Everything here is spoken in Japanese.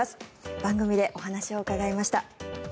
番組でお話を伺いました。